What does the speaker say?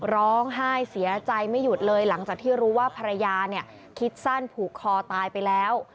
ร้องไห้เสียใจไม่หยุดเลยหลังจากที่รู้ว่าภรรยาเนี่ยคิดสั้นผูกคอตายไปแล้ว